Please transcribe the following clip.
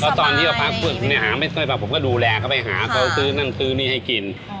ตอนที่เราพักฝึกหาไม่ค่อยมาผมก็ดูแลเขาไปหาเขาซื้อนั่นซื้อนี่ให้กิน